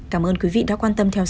cảm ơn quý vị đã quan tâm theo dõi